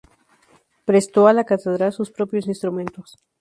Prestó a la cátedra sus propios instrumentos.